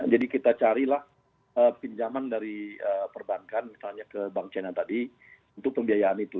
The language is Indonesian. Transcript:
jadi kita carilah pinjaman dari perbankan misalnya ke bank china tadi untuk pembiayaan itu